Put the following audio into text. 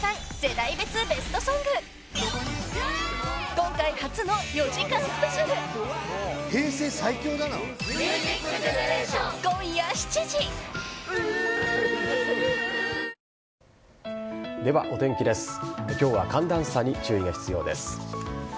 今日は寒暖差に注意が必要です。